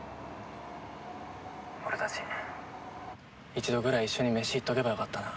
俺たち一度ぐらい一緒に飯行っとけばよかったな。